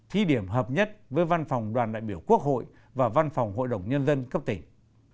thí điểm hợp nhất với văn phòng đoàn đại biểu quốc hội và văn phòng hội đồng nhân dân cấp tỉnh